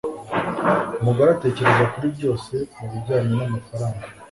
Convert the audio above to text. Umugore atekereza kuri byose mubijyanye namafaranga